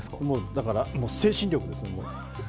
だから精神力ですね、もう。